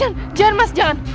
jangan mas jangan